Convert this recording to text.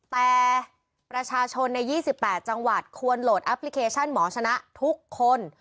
แต่ประชาชนใน๒๘จังหวัดควรโหลดแอปพลิเคชันหมอชนะทุกคน